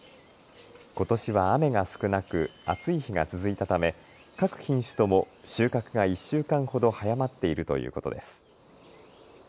ことしは雨が少なく暑い日が続いたため各品種とも収穫が１週間ほど早まっているということです。